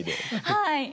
はい。